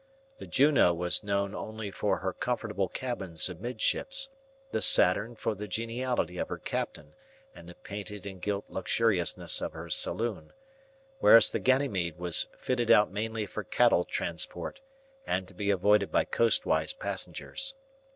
The Juno was known only for her comfortable cabins amidships, the Saturn for the geniality of her captain and the painted and gilt luxuriousness of her saloon, whereas the Ganymede was fitted out mainly for cattle transport, and to be avoided by coastwise passengers.